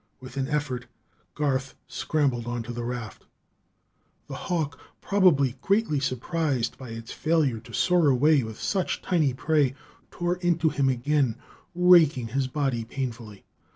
With an effort, Garth scrambled onto the raft. The hawk, probably greatly surprised by its failure to soar away with such tiny prey, tore into him again, raking his body painfully.